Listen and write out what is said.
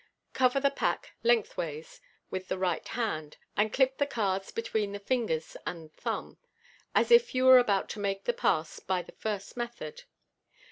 Cover the pack length ways with the right hand, and clip the cards between the fingers and thumb as if you were about to make the pass by the first method.